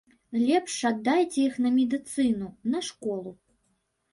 Лепш аддайце іх на медыцыну, на школу.